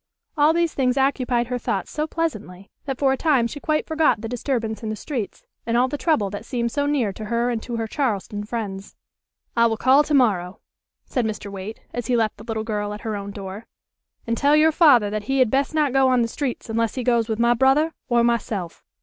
All these things occupied her thoughts so pleasantly that for a time she quite forgot the disturbance in the streets, and all the trouble that seemed so near to her and to her Charleston friends. "I will call to morrow," said Mr. Waite, as he left the little girl at her own door. "And tell your father that he had best not go on the streets unless he goes with my brother or myself."